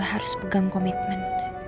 jadi gue harus pegang komitmen